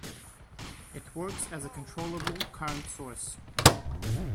It works as a controllable current source.